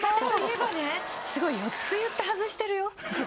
すごい４つ言って外してるよ！